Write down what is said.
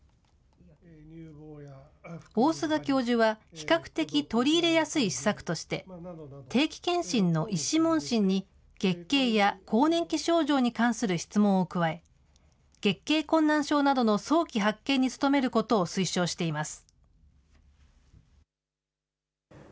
大須賀教授は、比較的取り入れやすい施策として、定期健診の医師問診に月経や更年期障害に関する質問を加え、月経困難症などの早期発見に努めることを推奨しています。